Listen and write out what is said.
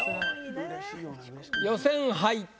予選敗退